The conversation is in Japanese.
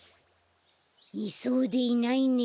いそうでいないね。